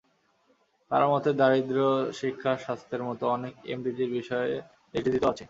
তাঁর মতে, দারিদ্র্য, শিক্ষা, স্বাস্থ্যের মতো অনেক এমডিজির বিষয় এসডিজিতেও আছে।